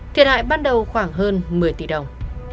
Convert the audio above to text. thiệt hại ban đầu khoảng hơn một mươi tỷ đồng